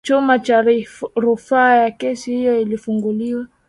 chumba cha rufaa ya kesi hiyo kilifunguliwa